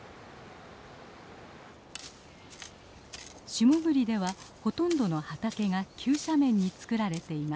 下栗ではほとんどの畑が急斜面に作られています。